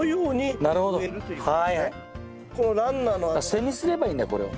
背にすればいいんだこれを。